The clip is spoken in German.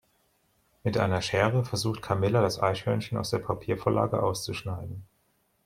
Mit einer Schere versucht Camilla das Eichhörnchen aus der Papiervorlage auszuschneiden.